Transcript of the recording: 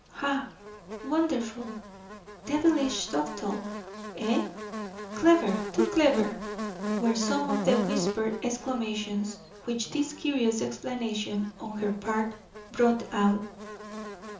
"Ha! wonderful! Devilish subtle, eh? Clever, too clever!" were some of the whispered exclamations which this curious explanation on her part brought out.